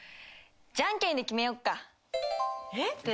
「じゃんけんで決めよっか」えっ？